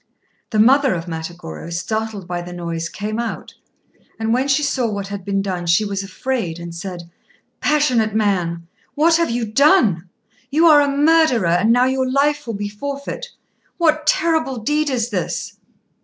The mother of Matagorô, startled by the noise, came out; and when she saw what had been done, she was afraid, and said "Passionate man! what have you done? You are a murderer; and now your life will be forfeit. What terrible deed is this!"